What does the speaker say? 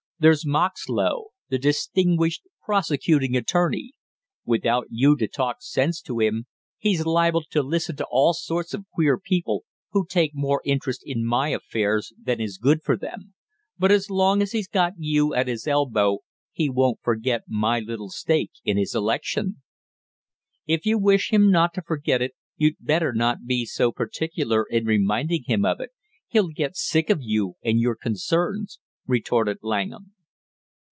There's Moxlow, the distinguished prosecuting attorney; without you to talk sense to him he's liable to listen to all sorts of queer people who take more interest in my affairs than is good for them; but as long as he's got you at his elbow he won't forget my little stake in his election." "If you wish him not to forget it, you'd better not be so particular in reminding him of it; he'll get sick of you and your concerns!" retorted Langham.